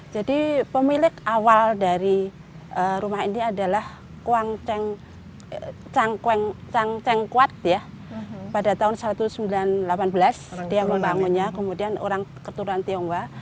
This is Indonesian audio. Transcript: jadi pemilik awal dari rumah ini adalah kuang cheng kuat ya pada tahun seribu sembilan ratus delapan belas dia membangunnya kemudian orang keturunan tionghoa